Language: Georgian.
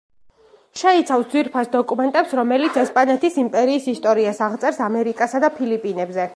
შეიცავს ძვირფას დოკუმენტებს, რომელიც ესპანეთის იმპერიის ისტორიას აღწერს ამერიკასა და ფილიპინებზე.